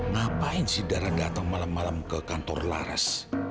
ngapain si dara datang malam malam ke kantor laras